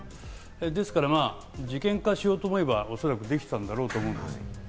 ですから事件化しようと思えば、おそらくできたんだろうと思います。